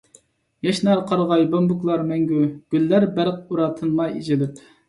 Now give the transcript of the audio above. ياشنار قارىغاي، بامبۇكلار مەڭگۈ، گۈللەر بەرق ئۇرار تىنماي ئېچىلىپ.